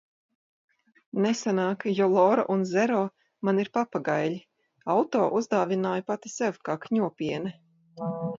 Nesanāk, jo Lora un Zero man ir papagaiļi. Auto uzdāvināju pati sev, kā Kņopiene.